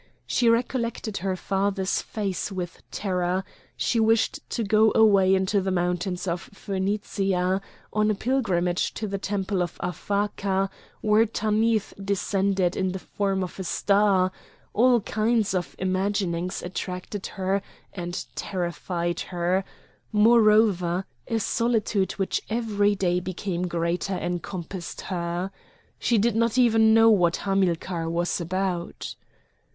She recollected her father's face with terror; she wished to go away into the mountains of Phonicia, on a pilgrimage to the temple of Aphaka, where Tanith descended in the form of a star; all kinds of imaginings attracted her and terrified her; moreover, a solitude which every day became greater encompassed her. She did not even know what Hamilcar was about.